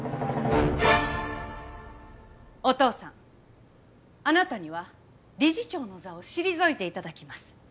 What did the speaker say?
お父さんあなたには理事長の座を退いて頂きます。